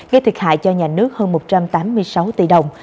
gây thiệt hại cho nhà nước hơn một trăm tám mươi sáu tỷ đồng